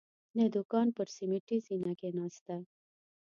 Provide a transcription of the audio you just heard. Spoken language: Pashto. د دوکان پر سيميټي زينه کېناسته.